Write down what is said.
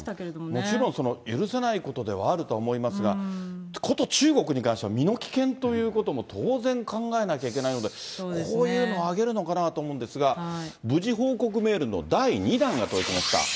もちろんその許せないことではあるとは思いますが、こと中国に関しては、身の危険ということも当然考えなきゃいけないので、こういうの上げるのかなと思うんですが、無事報告メールの第２弾が届きました。